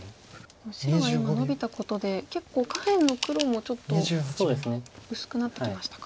白が今ノビたことで結構下辺の黒もちょっと薄くなってきましたか。